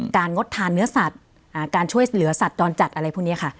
งดทานเนื้อสัตว์การช่วยเหลือสัตว์จรจัดอะไรพวกนี้ค่ะ